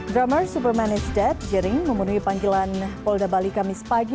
drummer superman is dead jering memenuhi panggilan polda bali kamis pagi